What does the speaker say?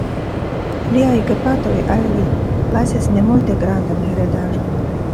Liaj gepatroj al li lasis ne multe grandan heredaĵon.